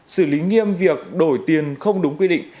xử lý nghiêm việc đổi tiền không đúng quy định